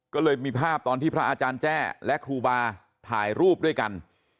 ก็เลยมีภาพตอนที่พระอาจารย์แจ้และครูบาถ่ายรูปด้วยกัน